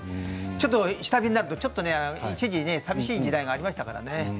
ちょっと下火になると一時さみしい時代がありましたからね。